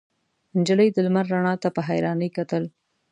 نجلۍ د لمر رڼا ته په حيرانۍ کتل.